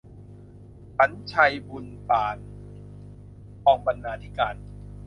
ขรรค์ชัย บุนปาน กองบรรณาธิการ